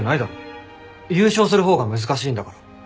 優勝する方が難しいんだから。